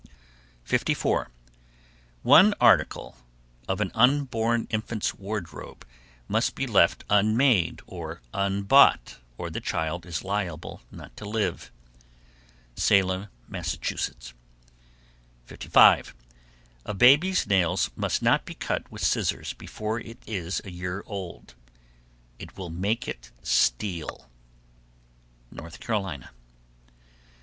_ 54. One article of an unborn infant's wardrobe must be left unmade or unbought or the child is liable not to live. Salem, Mass. 55. A baby's nails must not be cut with scissors before it is a year old; it will make it steal. _North Carolina.